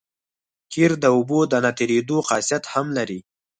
قیر د اوبو د نه تېرېدو خاصیت هم لري